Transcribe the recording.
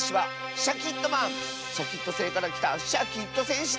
シャキットせいからきたシャキットせんしだ！